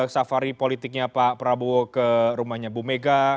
safari politiknya pak prabowo ke rumahnya bu mega